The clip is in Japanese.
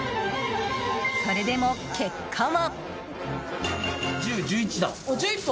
それでも結果は。